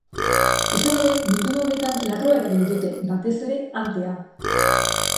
Izan ere, bilduma honetan larrua erabili dute, batez ere, antea.